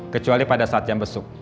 kecuali pada saat jam besuk